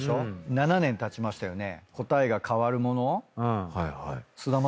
７年たちましたよね。